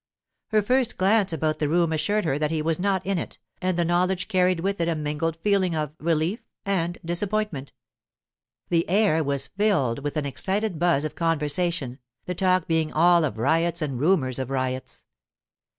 Her first glance about the room assured her that he was not in it, and the knowledge carried with it a mingled feeling of relief and disappointment. The air was filled with an excited buzz of conversation, the talk being all of riots and rumours of riots.